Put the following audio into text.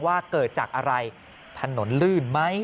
ว่าเกิดจากอะไรถนนลื่นไหม